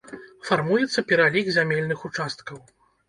Фармуецца пералік зямельных участкаў.